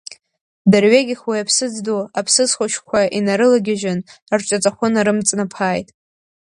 Дырҩегьых уи аԥсыӡ ду аԥсыӡ хәыҷқәа инарылагьежьын, рҿаҵахәы нарымҵнаԥааит.